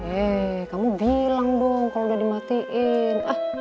eh kamu bilang dong kalau udah dimatiin